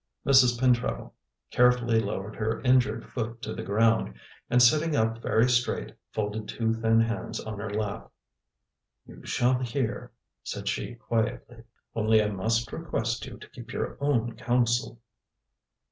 Mrs. Pentreddle carefully lowered her injured foot to the ground, and sitting up very straight, folded two thin hands on her lap. "You shall hear," said she quietly, "only I must request you to keep your own counsel."